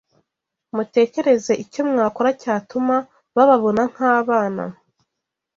mutekereze icyo mwakora cyatuma bababona nk’abana